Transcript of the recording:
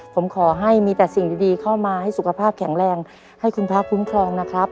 ผมขอให้มีแต่สิ่งดีเข้ามาให้สุขภาพแข็งแรงให้คุณพระคุ้มครองนะครับ